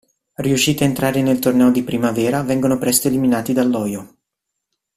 Riusciti a entrare nel Torneo di Primavera, vengono presto eliminati dall'Ojo.